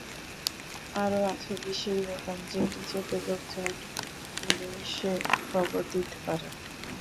আরও আছে বিশেষ বোতাম, যেটি চেপে লোকজন পুলিশে খবর দিতে পারবে।